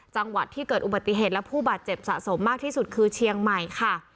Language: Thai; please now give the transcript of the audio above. จังหวัดที่เกิดอุบัติเหตุและผู้บาดเจ็บสะสมมากที่สุดคือเชียงใหม่ค่ะ